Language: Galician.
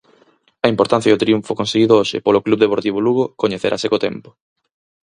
A importancia do triunfo conseguido hoxe polo Club Deportivo Lugo coñecerase co tempo.